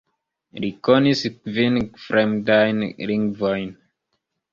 Li konis kvin fremdajn lingvojn.